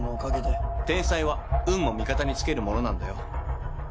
天才は運も味方につけるものなんだよ。